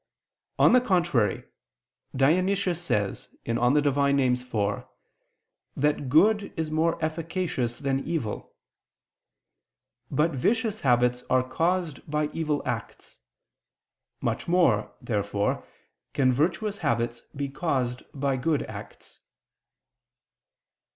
On the contrary, Dionysius says (Div. Nom. iv) that good is more efficacious than evil. But vicious habits are caused by evil acts. Much more, therefore, can virtuous habits be caused by good acts.